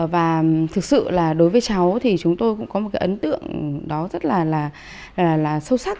và thực sự là đối với cháu thì chúng tôi cũng có một cái ấn tượng đó rất là sâu sắc